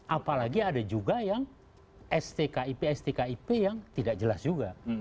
apalagi ada juga yang stkip stkip yang tidak jelas juga